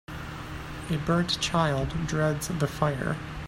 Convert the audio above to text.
A burnt child dreads the fire.